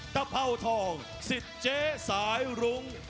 ตะเผ่าทองสิเจสายรุง